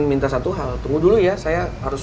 minta satu hal tunggu dulu ya saya harus